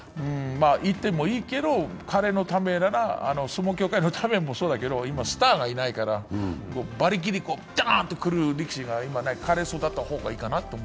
いってもいいけど、彼のためなら、相撲協会のためもそうだけど今スターがいないから馬力でガンとくる力士、彼が育った方がいいかな。